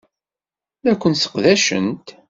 La ken-sseqdacent.